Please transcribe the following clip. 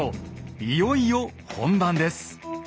いよいよ本番です。